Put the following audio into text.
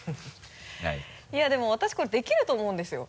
いやでも私これできると思うんですよ。